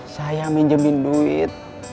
saya minjemin duit